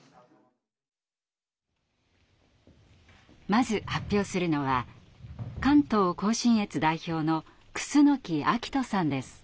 まず発表するのは関東・甲信越代表の楠光翔さんです。